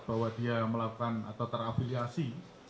bahwa dia melakukan atau terafiliasi